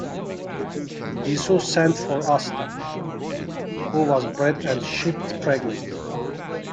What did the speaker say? He soon sent for Asta, who was bred and shipped pregnant.